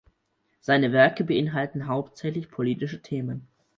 Seine Werke beinhalten hauptsächlich politische Themen.